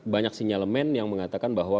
banyak sinyalemen yang mengatakan bahwa